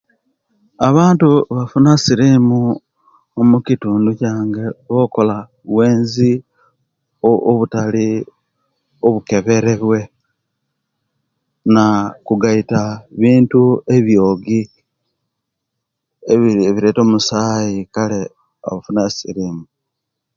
Abantu bafuna silimu mukitundu kyange bwakola bwenzi obutali bukebelwe nakugaita bintu ebyoogi ebileta omusaayi kale bileta silimu